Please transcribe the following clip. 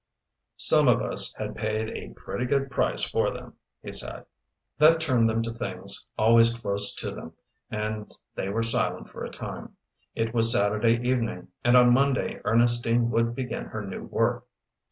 "Some of us have paid a pretty good price for them," he said. That turned them to the things always close to them, and they were silent for a time. It was Saturday evening, and on Monday Ernestine would begin her new work.